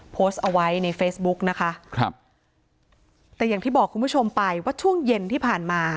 โพสต์เอาไว้ในเฟซบุ๊กนะคะครับแต่อย่างที่บอกคุณผู้ชมไปว่าช่วงเย็นที่ผ่านมา